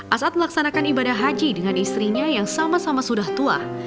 ⁇ saat melaksanakan ibadah haji dengan istrinya yang sama sama sudah tua